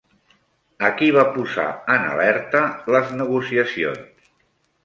A qui va posar en alerta les negociacions?